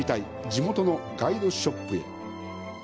地元のガイドショップへ。